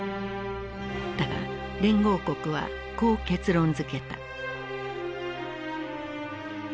だが連合国はこう結論づけた。